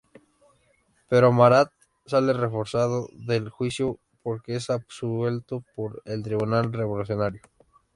Pero Marat sale reforzado del juicio porque es absuelto por el Tribunal Revolucionario.